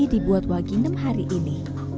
dibuat waginem hari ini